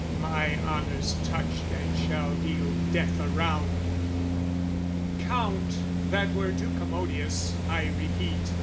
My honour's touched and shall deal death around! Count, that were too commodious, I repeat!